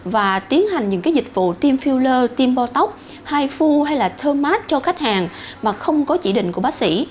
và tiến hành những cái dịch vụ tiêm filler tiêm bò tóc hai phu hay là thơm mát cho khách hàng mà không có chỉ định của bác sĩ